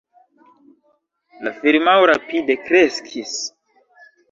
La firmao rapide kreskis.